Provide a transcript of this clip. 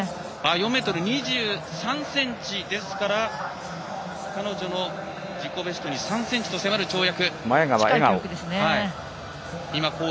４ｍ２３ｃｍですから彼女の自己ベストに３ｃｍと迫る跳躍。